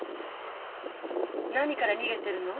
何から逃げてるの？